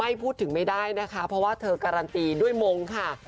ไม่พูดถึงไม่ได้นะคะเพราะว่าเธอการันตีด้วยมงค์ค่ะ